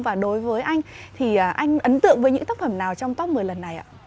tương tự với những tác phẩm nào trong top một mươi lần này ạ